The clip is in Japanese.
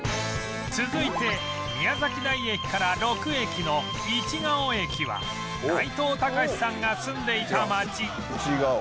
続いて宮崎台駅から６駅の市が尾駅は内藤剛志さんが住んでいた街